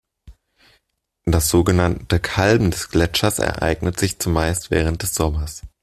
Das sogenannte Kalben des Gletschers ereignet sich zumeist während des Sommers.